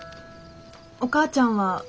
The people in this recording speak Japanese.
お母ちゃんは賛成？